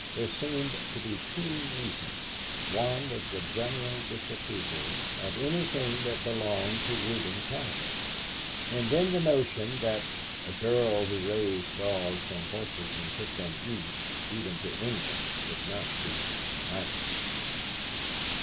There seemed to be two reasons: one was the general disapproval of anything that belonged to Reuben Cowder, and then the notion that "a girl who raised dogs and horses and took them east, even to England, could not be 'nice.'"